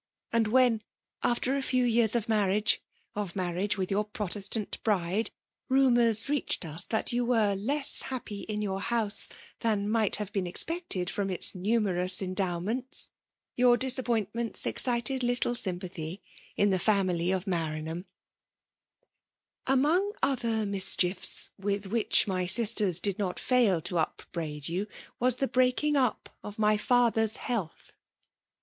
And when, after a few years of marriage, of marriage with your Protestant bride, rumours reached us that you were less happy in your house than might have been 282 FSMALE DOaiNiLTIQK^ expected from its numerous endowmentB, your disappointments excited little sympathy in the JMiiily of Maranham. " Among other mischiefe with which my sisters did not fail to upbraid you, was the breaking up of my father's health.